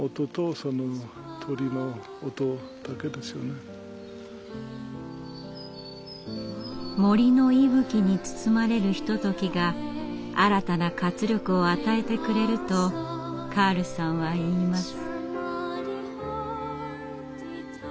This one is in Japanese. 音は森の息吹に包まれるひとときが新たな活力を与えてくれるとカールさんは言います。